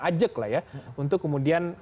ajak lah ya untuk kemudian